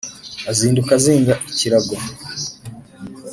Azinduka azinga ikirago